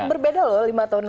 berbeda loh lima tahun lalu